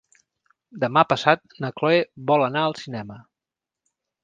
Demà passat na Chloé vol anar al cinema.